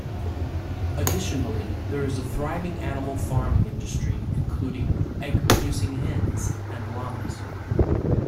Additionally, there is a thriving animal farming industry including egg-producing hens and llamas.